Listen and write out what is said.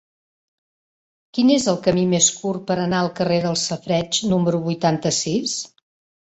Quin és el camí més curt per anar al carrer dels Safareigs número vuitanta-sis?